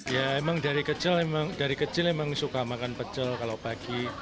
ya emang dari kecil emang suka makan pecol kalau pagi